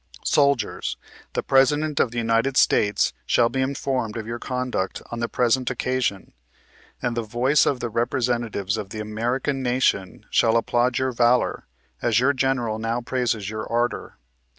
" Soldiers ! The President of the United States shall be informed of your conduct on the present occasion ; and the voice of the Representa tives of the American Nation shall applaud your valor, as your general now praises your ardor.